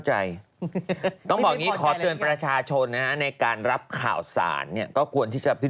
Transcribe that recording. อ้าวก็มันเป็นฤดูฝนนะ